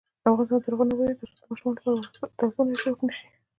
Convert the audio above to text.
افغانستان تر هغو نه ابادیږي، ترڅو د ماشومانو لپاره وړ کتابونه چاپ نشي.